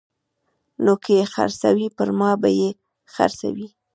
نو که یې خرڅوي پرما به یې خرڅوي